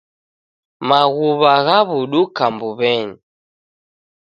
Maghuw'a ghaw'uduka mbuw'enyi.